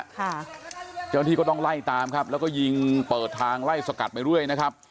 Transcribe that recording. เจ้าหน้าที่ก็ต้องไล่ตามครับแล้วก็ยิงเปิดทางไล่สกัดไปเรื่อยนะครับ